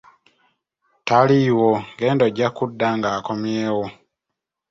"Taliiwo, genda ojja kudda ng'akomyewo."